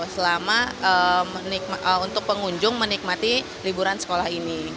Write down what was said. selama untuk pengunjung menikmati liburan sekolah ini